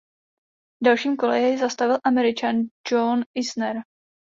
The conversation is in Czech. V dalším kole jej zastavil Američan John Isner.